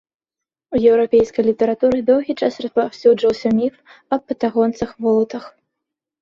У еўрапейскай літаратуры доўгі час распаўсюджваўся міф аб патагонцах-волатах.